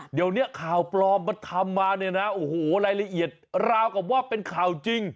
เดี๋ยวนี้ข่าวปลอมมันทำมาเนี่ยนะโอ้โหรายละเอียดราวกับว่าเป็นข่าวจริง